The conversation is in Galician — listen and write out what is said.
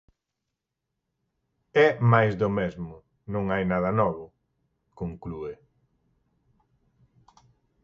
"É máis do mesmo, non hai nada novo", conclúe.